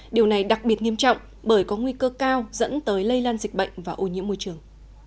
điều này đặc biệt nghiêm trọng bởi có nguy cơ cao dẫn tới lây lan dịch bệnh và ô nhiễm môi trường